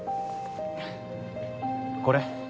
これ。